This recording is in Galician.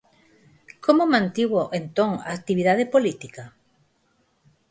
Como mantivo, entón, a actividade política?